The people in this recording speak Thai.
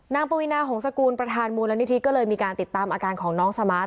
ปวีนาหงษกุลประธานมูลนิธิก็เลยมีการติดตามอาการของน้องสมาร์ท